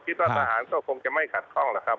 คิดว่าทหารก็คงจะไม่ขัดข้องนะครับ